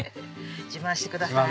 自慢してください。